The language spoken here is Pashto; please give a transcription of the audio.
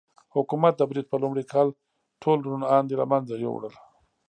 حکومت د برید په لومړي کال ټول روڼ اندي له منځه یووړل.